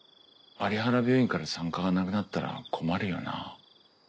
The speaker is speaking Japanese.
有原病院から産科がなくなったら困るよな。